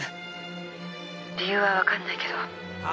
「理由はわかんないけど」ああ？